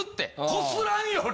こすらんより。